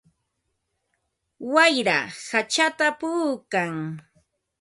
Wayra hachata puukan.